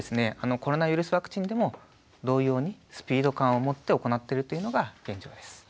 コロナウイルスワクチンでも同様にスピード感をもって行ってるっていうのが現状です。